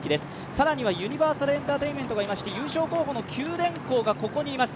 更にはユニバーサルエンターテインメントがいまして優勝候補の九電工がここにいます。